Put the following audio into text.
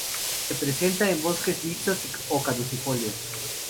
Se presenta en bosques mixtos o caducifolios.